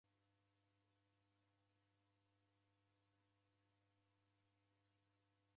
Naw'enda kaba mpira na w'ana.